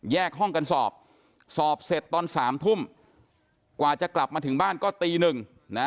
ห้องกันสอบสอบเสร็จตอน๓ทุ่มกว่าจะกลับมาถึงบ้านก็ตีหนึ่งนะ